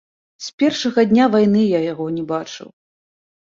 З першага дня вайны я яго не бачыў.